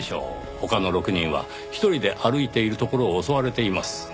他の６人は１人で歩いているところを襲われています。